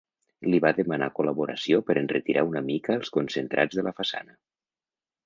Li va demanar col·laboració per enretirar una mica els concentrats de la façana.